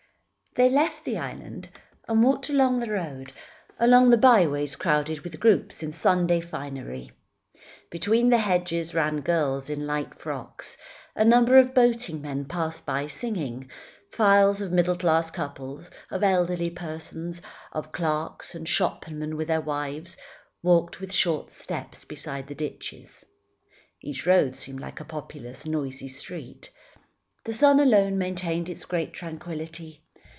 They left the island, and walked along the roads, along the byways crowded with groups in Sunday finery. Between the hedges ran girls in light frocks; a number of boating men passed by singing; files of middle class couples, of elderly persons, of clerks and shopmen with their wives, walked the short steps, besides the ditches. Each roadway seemed like a populous, noisy street. The sun alone maintained its great tranquility.